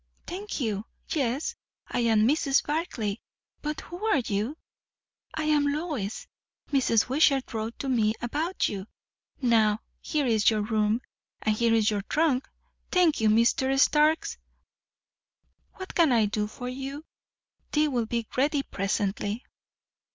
"Thank you. Yes, I am Mrs. Barclay; but who are you?" "I am Lois. Mrs. Wishart wrote to me about you. Now, here is your room; and here is your trunk. Thank you, Mr. Starks. What can I do for you? Tea will be ready presently."